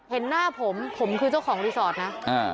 เห็นหน้าผมผมคือเจ้าของรีสอร์ทนะ